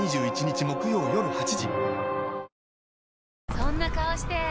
そんな顔して！